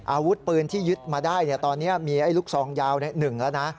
อาวุธปืนที่ยึดมาได้ตอนนี้มีลูกซองยาว๑แล้วนะ